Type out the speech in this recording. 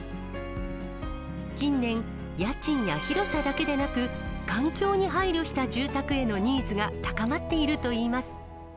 近年、家賃や広さだけでなく、環境に配慮した住宅へのニーズが高まっているといいます。